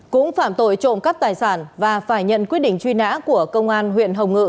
cũng phạm tội trộm cắp tài sản và phải nhận quyết định truy nã của công an huyện hồng ngự